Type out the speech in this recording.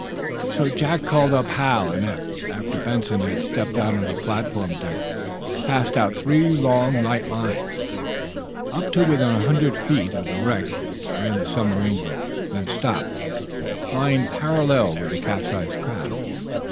So Jack called up Hal and Eph. After Benson had stepped out on the platform deck Hal passed out three long, light lines. Up to within a hundred feet of the wreck ran the submarine boat, then stopped, lying parallel with the capsized craft.